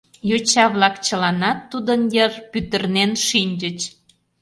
Йоча-влак чыланат тудын йыр пӱтырнен шинчыч.